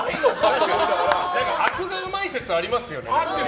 とあくがうまい説ありますよね。